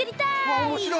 あっおもしろい。